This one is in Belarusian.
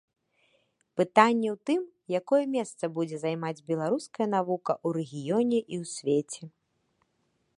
Пытанне ў тым, якое месца будзе займаць беларуская навука ў рэгіёне і ў свеце.